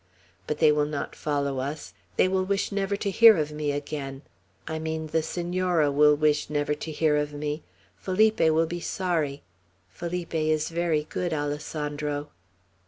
But they will not follow us. They will wish never to hear of me again. I mean, the Senora will wish never to hear of me. Felipe will be sorry. Felipe is very good, Alessandro."